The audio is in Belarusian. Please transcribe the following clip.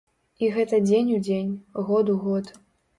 І гэта дзень у дзень, год у год.